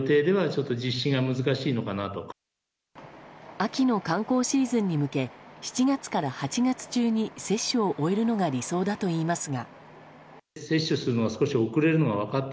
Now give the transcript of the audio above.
秋の観光シーズンに向け７月から８月中に接種を終えるのが理想だといいますが。